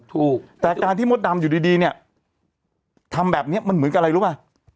ถูกแต่การที่มดดำอยู่ดีเนี่ยทำแบบนี้มันเหมือนกับอะไรรู้ป่ะ